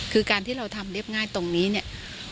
คือการที่เราทำเรียบง่ายตรงนี้เนี่ย